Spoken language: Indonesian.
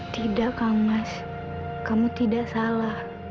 tidak kang mas kamu tidak salah